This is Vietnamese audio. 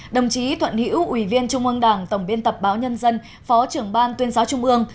đồng chí thuận hữu ủy viên trung ương đảng tổng biên tập báo nhân dân phó trưởng ban tuyên giáo trung ương